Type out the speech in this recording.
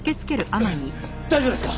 大丈夫ですか！？